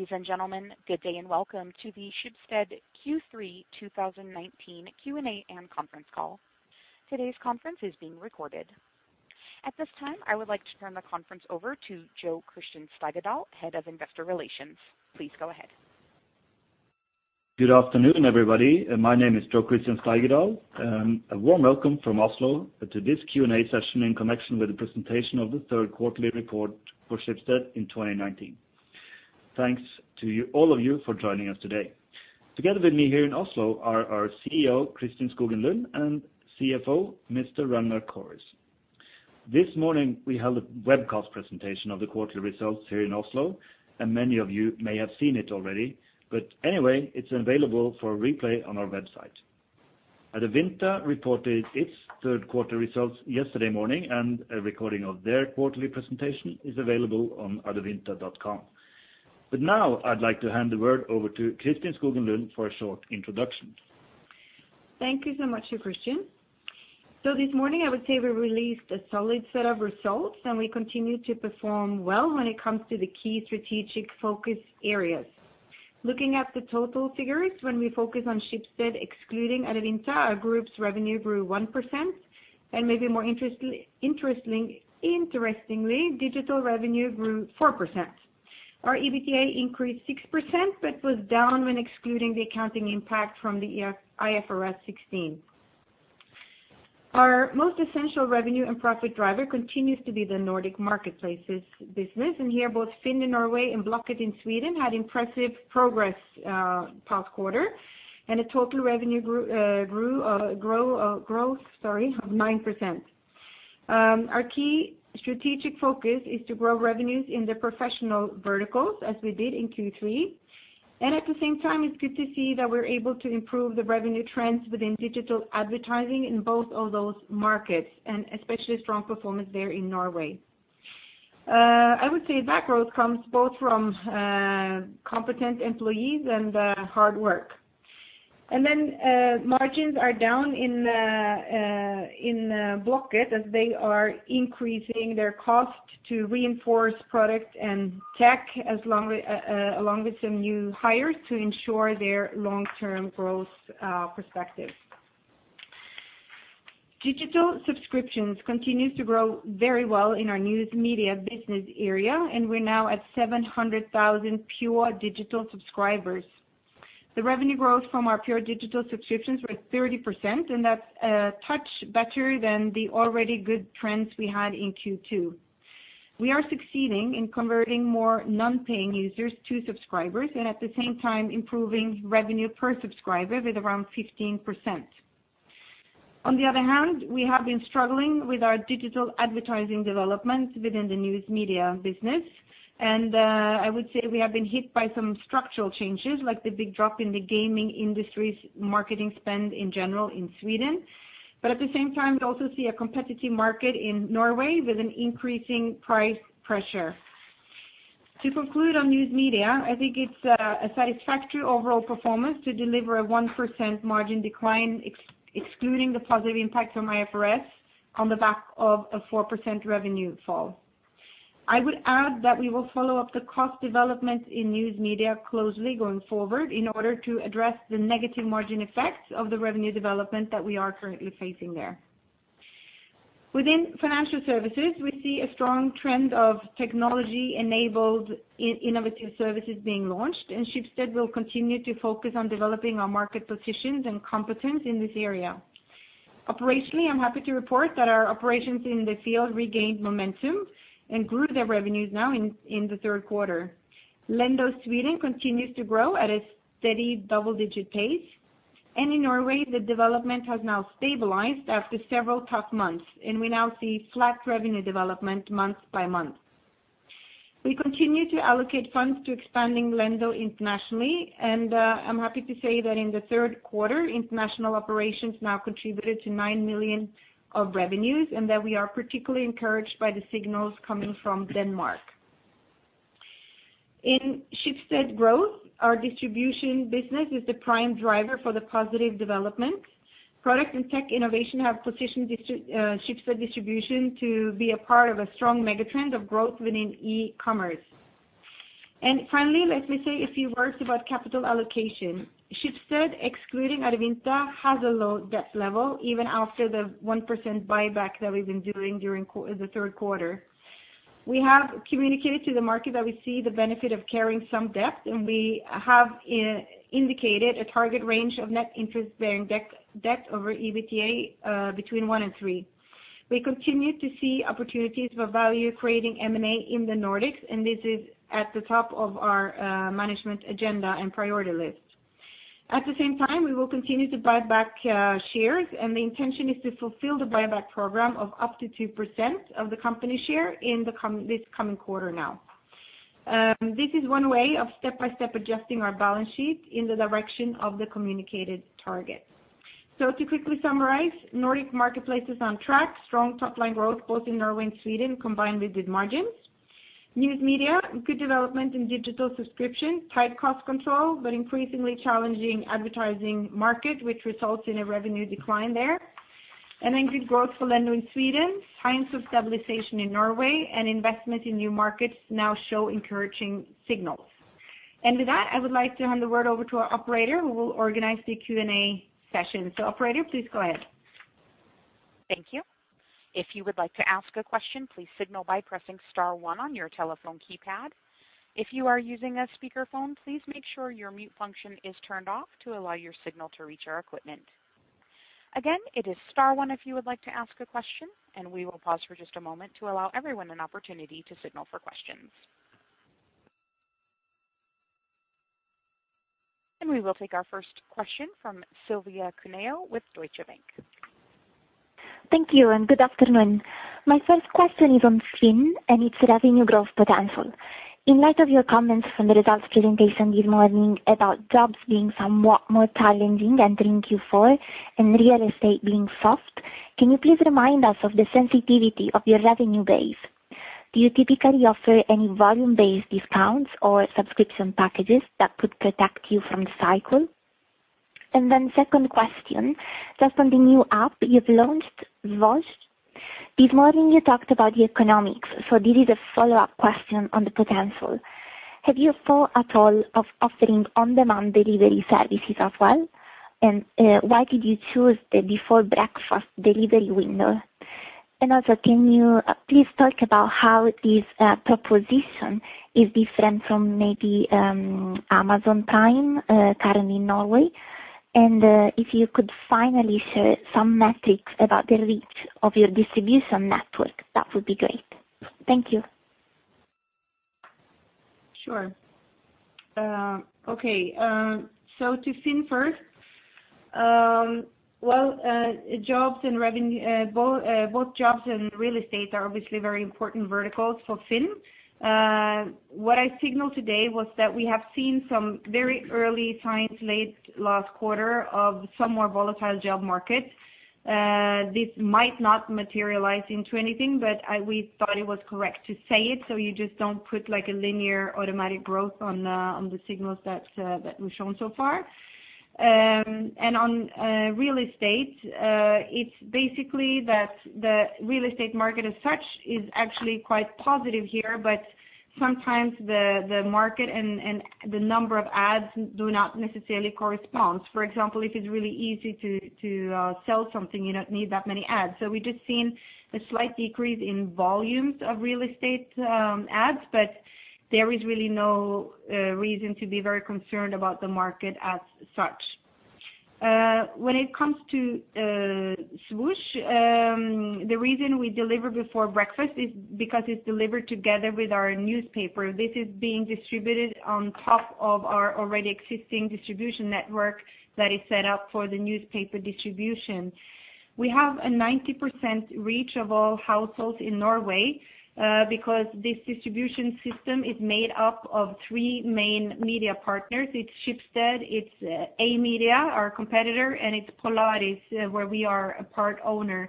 Ladies and gentlemen, good day, and welcome to the Schibsted Q3 2019 Q&A and conference call. Today's conference is being recorded. At this time, I would like to turn the conference over to Jo Christian Steigedal, head of investor relations. Please go ahead. Good afternoon, everybody. My name is Jo Christian Steigedal. A warm welcome from Oslo to this Q&A session in connection with the presentation of the third quarterly report for Schibsted in 2019. Thanks to all of you for joining us today. Together with me here in Oslo are our CEO, Kristin Skogen Lund, and CFO, Mr. Ragnar Kårhus. This morning, we held a webcast presentation of the quarterly results here in Oslo, and many of you may have seen it already, but anyway, it's available for replay on our website. Adevinta reported its Q3 results yesterday morning, and a recording of their quarterly presentation is available on adevinta.com. Now I'd like to hand the word over to Kristin Skogen Lund for a short introduction. Thank you so much, Jo Christian. This morning, I would say we released a solid set of results, and we continue to perform well when it comes to the key strategic focus areas. Looking at the total figures, when we focus on Schibsted excluding Adevinta, our group's revenue grew 1%, and maybe more interestingly, digital revenue grew 4%. Our EBITDA increased 6% but was down when excluding the accounting impact from the IFRS 16. Our most essential revenue and profit driver continues to be the Nordic Marketplaces business, and here, both Finn.no in Norway and Blocket in Sweden had impressive progress past quarter, and a total revenue growth, sorry, of 9%. Our key strategic focus is to grow revenues in the professional verticals as we did in Q3. At the same time, it's good to see that we're able to improve the revenue trends within digital advertising in both of those markets, especially strong performance there in Norway. I would say that growth comes both from competent employees and hard work. Margins are down in Blocket as they are increasing their cost to reinforce product and tech along with some new hires to ensure their long-term growth perspective. Digital subscriptions continues to grow very well in our News Media business area. We're now at 700,000 pure digital subscribers. The revenue growth from our pure digital subscriptions were at 30%. That's a touch better than the already good trends we had in Q2. We are succeeding in converting more non-paying users to subscribers and at the same time improving revenue per subscriber with around 15%. On the other hand, we have been struggling with our digital advertising developments within the News Media business. I would say we have been hit by some structural changes, like the big drop in the gaming industry's marketing spend in general in Sweden. At the same time, we also see a competitive market in Norway with an increasing price pressure. To conclude on News Media, I think it's a satisfactory overall performance to deliver a 1% margin decline excluding the positive impact from IFRS on the back of a 4% revenue fall. I would add that we will follow up the cost development in News Media closely going forward in order to address the negative margin effects of the revenue development that we are currently facing there. Within Financial Services, we see a strong trend of technology-enabled innovative services being launched, and Schibsted will continue to focus on developing our market positions and competence in this area. Operationally, I'm happy to report that our operations in the field regained momentum and grew their revenues now in the Q3. Lendo Sweden continues to grow at a steady double-digit pace, and in Norway, the development has now stabilized after several tough months, and we now see flat revenue development month by month. We continue to allocate funds to expanding Lendo internationally, and I'm happy to say that in the Q3, international operations now contributed to 9 million of revenues and that we are particularly encouraged by the signals coming from Denmark. In Schibsted Growth, our distribution business is the prime driver for the positive development. Product and tech innovation have positioned Schibsted Distribution to be a part of a strong mega trend of growth within e-commerce. Finally, let me say a few words about capital allocation. Schibsted, excluding Adevinta, has a low debt level, even after the 1% buyback that we've been doing during the Q3. We have communicated to the market that we see the benefit of carrying some debt, and we have indicated a target range of net interest bearing debt over EBITDA, between 1 and 3. We continue to see opportunities for value-creating M&A in the Nordics, and this is at the top of our management agenda and priority list. At the same time, we will continue to buy back shares, and the intention is to fulfill the buyback program of up to 2% of the company share in this coming quarter now. This is one way of step-by-step adjusting our balance sheet in the direction of the communicated target. To quickly summarize, Nordic Marketplaces is on track. Strong top line growth, both in Norway and Sweden, combined with good margins. News Media, good development in digital subscription, tight cost control, but increasingly challenging advertising market, which results in a revenue decline there. Good growth for Lendo in Sweden, signs of stabilization in Norway, and investments in new markets now show encouraging signals. With that, I would like to hand the word over to our operator, who will organize the Q&A session. Operator, please go ahead. Thank you. If you would like to ask a question, please signal by pressing star one on your telephone keypad. If you are using a speakerphone, please make sure your mute function is turned off to allow your signal to reach our equipment. Again, it is star one if you would like to ask a question, and we will pause for just a moment to allow everyone an opportunity to signal for questions. We will take our first question from Silvia Cuneo with Deutsche Bank. Thank you. Good afternoon. My first question is on Finn.no, and its revenue growth potential. In light of your comments from the results presentation this morning about jobs being somewhat more challenging entering Q4 and real estate being soft, can you please remind us of the sensitivity of your revenue base? Do you typically offer any volume-based discounts or subscription packages that could protect you from the cycle? Second question, just on the new app you've launched, Svosj. This morning you talked about the economics, so this is a follow-up question on the potential. Have you thought at all of offering on-demand delivery services as well? Why did you choose the before breakfast delivery window? Also, can you please talk about how this proposition is different from maybe Amazon Prime currently in Norway? If you could finally share some metrics about the reach of your distribution network, that would be great. Thank you. Sure. Okay. To Finn first. Well, both jobs and real estate are obviously very important verticals for Finn. What I signaled today was that we have seen some very early signs late last quarter of some more volatile job markets. This might not materialize into anything, but we thought it was correct to say it, so you just don't put, like, a linear automatic growth on the signals that we've shown so far. And on real estate, it's basically that the real estate market as such is actually quite positive here. Sometimes the market and the number of ads do not necessarily correspond. For example, if it's really easy to sell something, you don't need that many ads. We've just seen a slight decrease in volumes of real estate, ads, but there is really no reason to be very concerned about the market as such. When it comes to Svosj, the reason we deliver before breakfast is because it's delivered together with our newspaper. This is being distributed on top of our already existing distribution network that is set up for the newspaper distribution. We have a 90% reach of all households in Norway, because this distribution system is made up of three main media partners. It's Schibsted, it's Amedia, our competitor, and it's Polaris, where we are a part owner.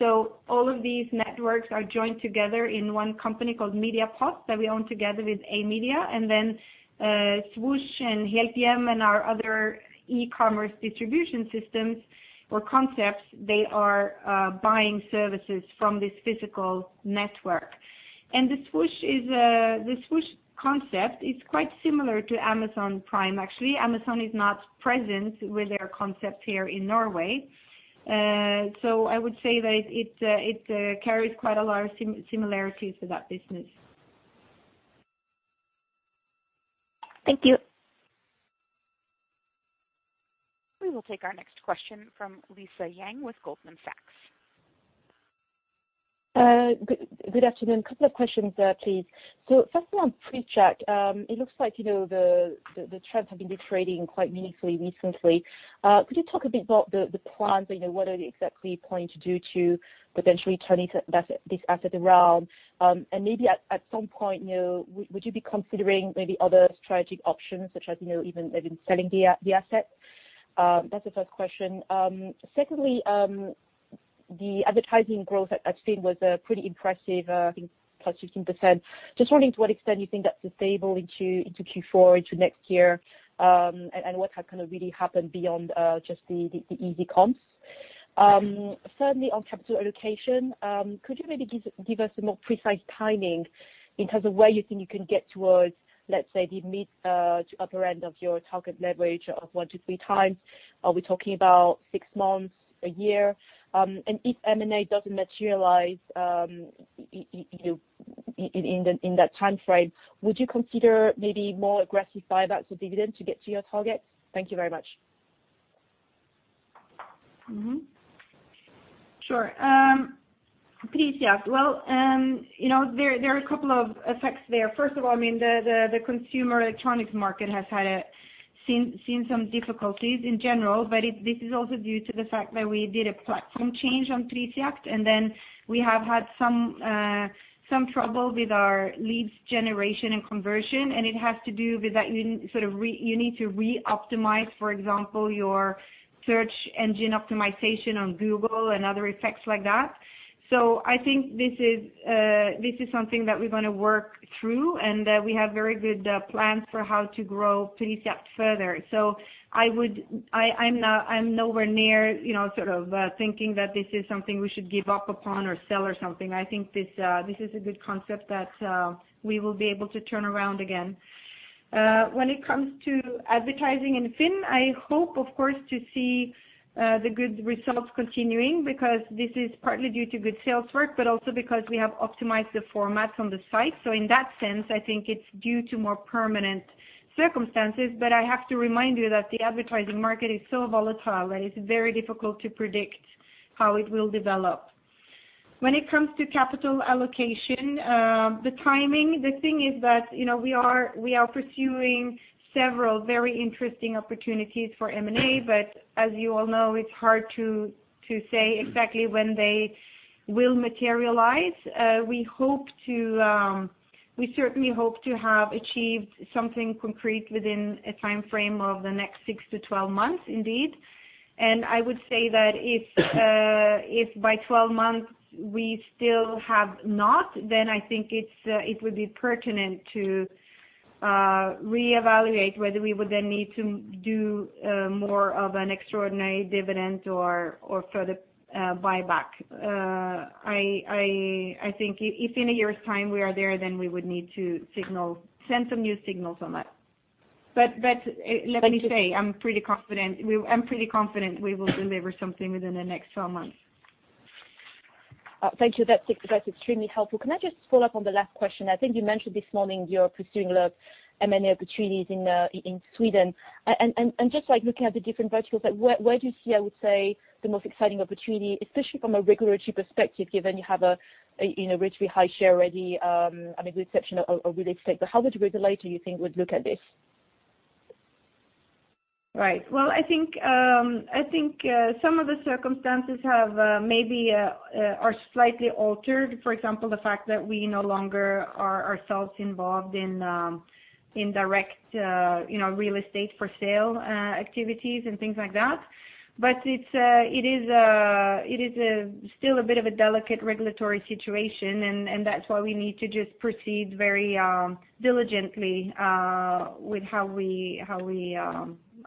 All of these networks are joined together in one company called Mediapost that we own together with Amedia. and Helthjem and our other e-commerce distribution systems or concepts, they are buying services from this physical network. The Svosj is the Svosj concept is quite similar to Amazon Prime, actually. Amazon is not present with their concept here in Norway. I would say that it carries quite a lot of similarities to that business. Thank you. We will take our next question from Lisa Yang with Goldman Sachs. Good afternoon. Couple of questions, please. First one, Prisjakt. It looks like, you know, the trends have been degrading quite meaningfully recently. Could you talk a bit about the plans or, you know, what are you exactly going to do to potentially turn this asset around? Maybe at some point, you know, would you be considering maybe other strategic options such as, you know, even, maybe selling the asset? That's the first question. Secondly, the advertising growth at Finn.no was pretty impressive, I think +15%. Just wondering to what extent you think that's sustainable into Q4, into next year, and what has kind of really happened beyond just the easy comps. Certainly on capital allocation, could you maybe give us a more precise timing in terms of where you think you can get towards, let's say, the mid to upper end of your target leverage of one to three times? Are we talking about six months, a year? If M&A doesn't materialize, in that time frame, would you consider maybe more aggressive buybacks or dividend to get to your target? Thank you very much. Sure. Prisjakt. Well, you know, there are a couple of effects there. First of all, I mean, the consumer electronics market has seen some difficulties in general, but this is also due to the fact that we did a platform change on Prisjakt, and then we have had some trouble with our leads generation and conversion, and it has to do with that you sort of need to re-optimize, for example, your search engine optimization on Google and other effects like that. I think this is something that we're gonna work through, and we have very good plans for how to grow Prisjakt further. I'm nowhere near, you know, sort of, thinking that this is something we should give up upon or sell or something. I think this is a good concept that we will be able to turn around again. When it comes to advertising in Finn.no, I hope, of course, to see the good results continuing because this is partly due to good sales work, but also because we have optimized the formats on the site. In that sense, I think it's due to more permanent circumstances. I have to remind you that the advertising market is so volatile that it's very difficult to predict how it will develop. When it comes to capital allocation, the timing, the thing is that, you know, we are pursuing several very interesting opportunities for M&A, but as you all know, it's hard to say exactly when they will materialize. We hope to, we certainly hope to have achieved something concrete within a timeframe of the next 6 to 12 months, indeed. I would say that if by 12 months we still have not, then I think it's, it would be pertinent to reevaluate whether we would then need to do more of an extraordinary dividend or further buyback. I think if in a year's time we are there, then we would need to signal, send some new signals on that. Let me say, I'm pretty confident we will deliver something within the next 12 months. Thank you. That's extremely helpful. Can I just follow up on the last question? I think you mentioned this morning you're pursuing a lot of M&A opportunities in Sweden. And just like looking at the different verticals, like, where do you see, I would say, the most exciting opportunity, especially from a regulatory perspective, given you have a, you know, relatively high share already, I mean, with the exception of real estate. How would the regulator, you think, would look at this? Right. Well, I think, I think, some of the circumstances have, maybe, are slightly altered. For example, the fact that we no longer are ourselves involved in direct, you know, real estate for sale, activities and things like that. It's, it is, it is, still a bit of a delicate regulatory situation, and that's why we need to just proceed very diligently with how we,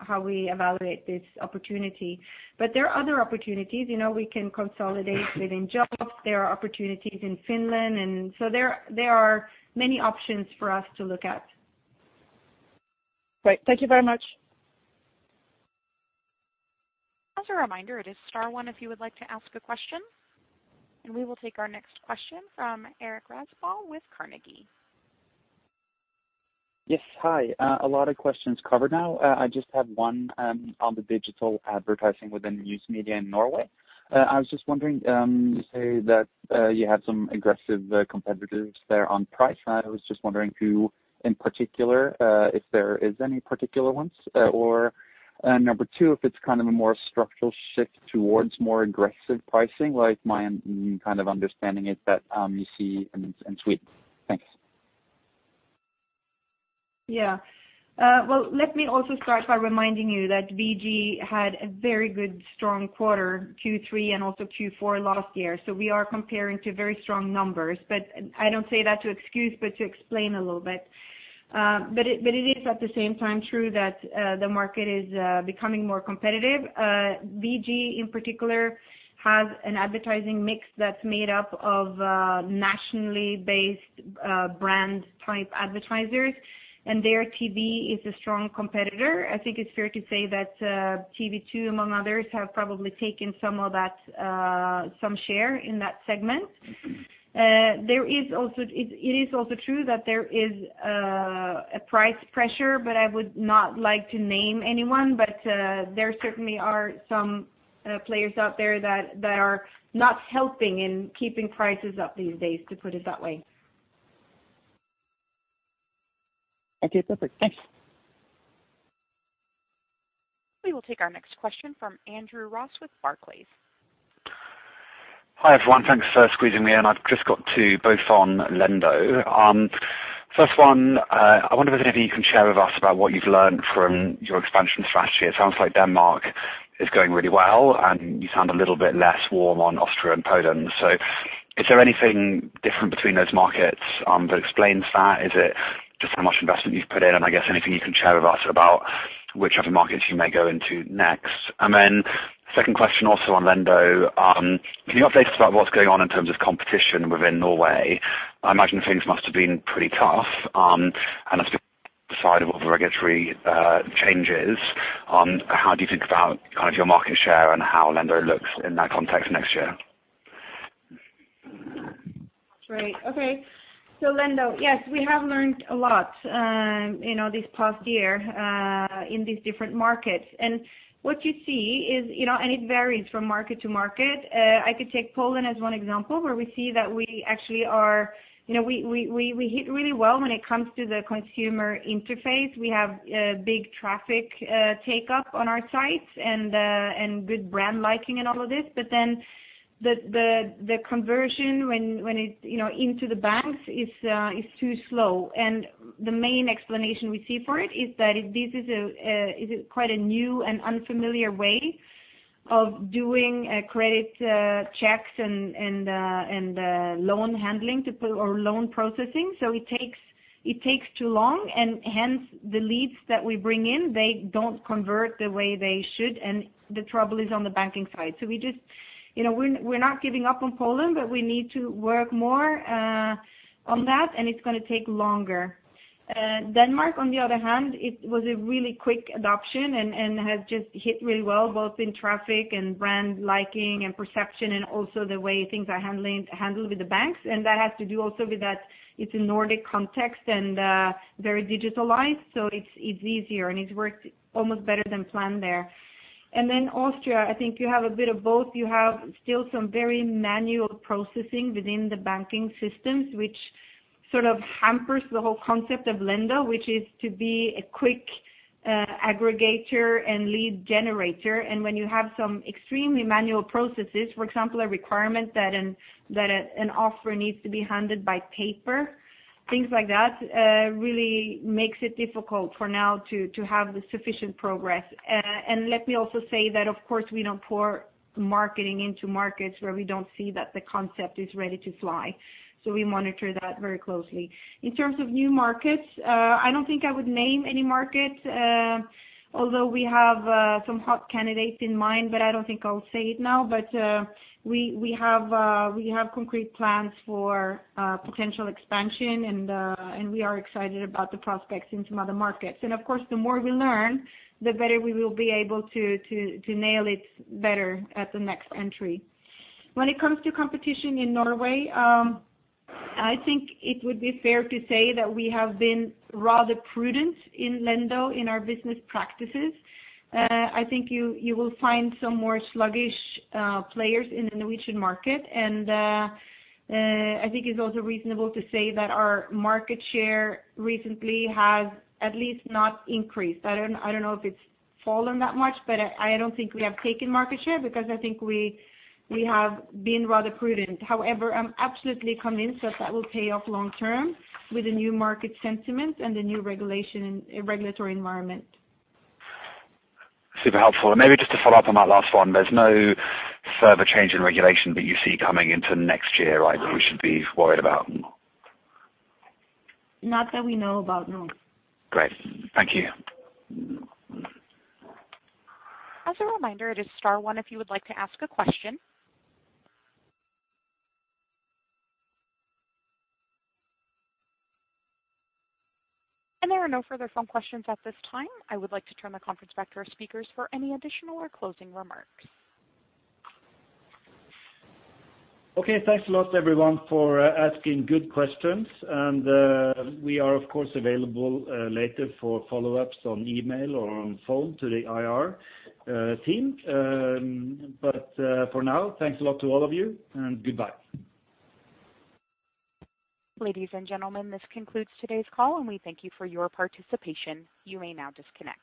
how we, how we evaluate this opportunity. There are other opportunities, you know, we can consolidate within jobs. There are opportunities in Finland, there are many options for us to look at. Great. Thank you very much. As a reminder, it is star one if you would like to ask a question. We will take our next question from Eirik Rafdal with Carnegie. Yes. Hi. A lot of questions covered now. I just have one on the digital advertising within News Media in Norway. I was just wondering, you say that you have some aggressive competitors there on price. I was just wondering who in particular, if there is any particular ones, or number 2, if it's kind of a more structural shift towards more aggressive pricing, like my kind of understanding is that you see in Sweden. Thanks. Yeah. Well, let me also start by reminding you that VG had a very good strong quarter, Q3 and also Q4 last year. We are comparing to very strong numbers. I don't say that to excuse, but to explain a little bit. It is at the same time true that the market is becoming more competitive. VG, in particular, has an advertising mix that's made up of nationally based brand type advertisers, and their TV is a strong competitor. I think it's fair to say that TV 2, among others, have probably taken some of that some share in that segment. It is also true that there is a price pressure. I would not like to name anyone. There certainly are some players out there that are not helping in keeping prices up these days, to put it that way. Okay. Perfect. Thanks. We will take our next question from Andrew Ross with Barclays. Hi, everyone. Thanks for squeezing me in. I've just got two, both on Lendo. First one, I wonder if there's anything you can share with us about what you've learned from your expansion strategy. It sounds like Denmark is going really well, and you sound a little bit less warm on Austria and Poland. Is there anything different between those markets, that explains that? Is it just how much investment you've put in? I guess anything you can share with us about which other markets you may go into next. Second question also on Lendo, can you update us about what's going on in terms of competition within Norway? I imagine things must have been pretty tough, and as to decide of regulatory changes, how do you think about kind of your market share and how Lendo looks in that context next year? Great. Okay. Lendo, yes, we have learned a lot, you know, this past year, in these different markets. What you see is, you know, and it varies from market to market. I could take Poland as one example, where we see that we actually are, you know, we hit really well when it comes to the consumer interface. We have big traffic, take up on our site and good brand liking and all of this. The conversion when it's, you know, into the banks is too slow. The main explanation we see for it is that this is quite a new and unfamiliar way of doing credit checks and loan handling or loan processing. It takes too long. Hence, the leads that we bring in, they don't convert the way they should, and the trouble is on the banking side. We just, you know, we're not giving up on Poland, but we need to work more on that, and it's gonna take longer. Denmark, on the other hand, it was a really quick adoption and has just hit really well, both in traffic and brand liking and perception, and also the way things are handled with the banks. That has to do also with that it's a Nordic context and very digitalized, so it's easier, and it's worked almost better than planned there. Then Austria, I think you have a bit of both. You have still some very manual processing within the banking systems, which sort of hampers the whole concept of Lendo, which is to be a quick aggregator and lead generator. When you have some extremely manual processes, for example, a requirement that an offer needs to be handed by paper, things like that really makes it difficult for now to have the sufficient progress. Let me also say that, of course, we don't pour marketing into markets where we don't see that the concept is ready to fly. We monitor that very closely. In terms of new markets, I don't think I would name any markets, although we have some hot candidates in mind, but I don't think I'll say it now. We have concrete plans for potential expansion, and we are excited about the prospects in some other markets. Of course, the more we learn, the better we will be able to nail it better at the next entry. When it comes to competition in Norway, I think it would be fair to say that we have been rather prudent in Lendo in our business practices. I think you will find some more sluggish players in the Norwegian market. I think it's also reasonable to say that our market share recently has at least not increased. I don't know if it's fallen that much, but I don't think we have taken market share because I think we have been rather prudent. I'm absolutely convinced that that will pay off long term with the new market sentiment and the new regulation and regulatory environment. Super helpful. Maybe just to follow up on that last one, there's no further change in regulation that you see coming into next year, right, that we should be worried about? Not that we know about, no. Great. Thank you. As a reminder, it is star one if you would like to ask a question. There are no further phone questions at this time. I would like to turn the conference back to our speakers for any additional or closing remarks. Okay, thanks a lot everyone for asking good questions. We are of course available later for follow-ups on email or on phone to the IR team. For now, thanks a lot to all of you, and goodbye. Ladies and gentlemen, this concludes today's call, and we thank you for your participation. You may now disconnect.